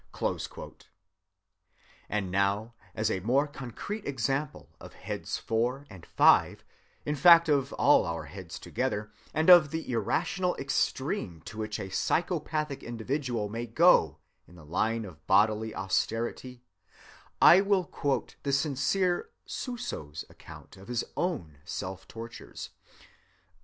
(181) And now, as a more concrete example of heads 4 and 5, in fact of all our heads together, and of the irrational extreme to which a psychopathic individual may go in the line of bodily austerity, I will quote the sincere Suso's account of his own self‐tortures.